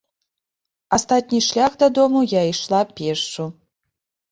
Астатні шлях да дому я ішла пешшу.